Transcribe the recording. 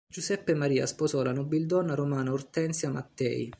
Giuseppe Maria sposò la nobildonna romana Ortensia Mattei.